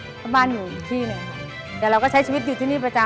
เพราะบ้านอยู่อีกที่หนึ่งแต่เราก็ใช้ชีวิตอยู่ที่นี่ประจำ